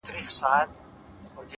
o و خوږ زړگي ته مي ـ